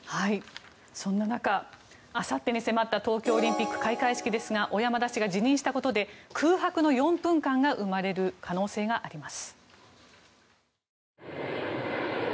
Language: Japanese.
そんな中あさってに迫った東京オリンピック開会式ですが小山田氏が辞任したことで空白の４分間が生まれる可能性があります。